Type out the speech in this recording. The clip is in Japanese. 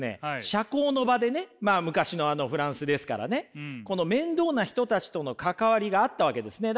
社交の場でねまあ昔のフランスですからねこの面倒な人たちとの関わりがあったわけですね。